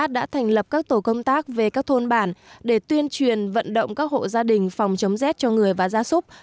từ huyện đến xã đã thành lập các tổ công tác về các thôn bản để tuyên truyền vận động các hộ gia đình phòng chống z cho người và gia súc